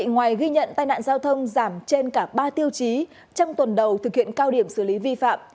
ngoài ghi nhận tai nạn giao thông giảm trên cả ba tiêu chí trong tuần đầu thực hiện cao điểm xử lý vi phạm